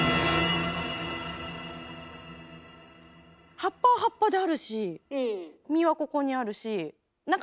葉っぱは葉っぱであるし実はここにあるし。